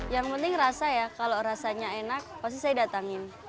yang penting rasa ya kalau rasanya enak pasti saya datangin